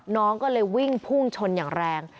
น้องก็เลยวิ่งพุ่งชนอย่างแรง